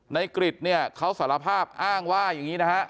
กริจเนี่ยเขาสารภาพอ้างว่าอย่างนี้นะฮะ